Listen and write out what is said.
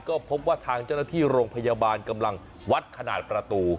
ก็พบว่าทางเจ้าหน้าที่โรงพยาบาลกำลังวัดขนาดประตู